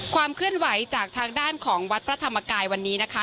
ความเคลื่อนไหวจากทางด้านของวัดพระธรรมกายวันนี้นะคะ